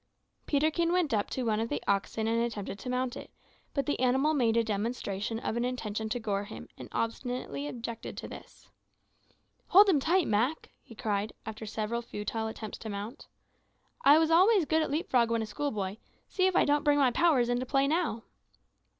Peterkin went up to one of the oxen and attempted to mount it; but the animal made a demonstration of an intention to gore him, and obstinately objected to this. "Hold him tight, Mak," he cried, after several futile attempts to mount. "I was always good at leap frog when a schoolboy; see if I don't bring my powers into play now."